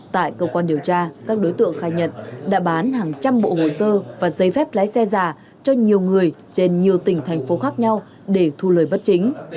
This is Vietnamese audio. tại cơ quan điều tra các đối tượng khai nhận đã bán hàng trăm bộ hồ sơ và giấy phép lái xe giả cho nhiều người trên nhiều tỉnh thành phố khác nhau để thu lời bất chính